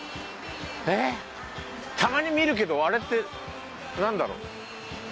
えったまに見るけどあれってなんだろう？